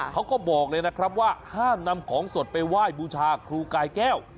เขาบอกเลยนะครับว่าห้ามนำของสดไปไหว้บูชาครูกายแก้ว